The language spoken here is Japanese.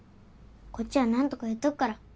こっちはなんとかやっとくから。